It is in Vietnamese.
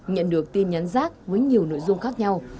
nhận được tin nhắn rác với nhiều nội dung khác nhau